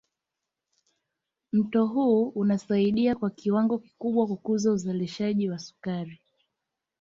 Mto huu unasaidia kwa kiwango kikubwa kukuza uzalishaji wa sukari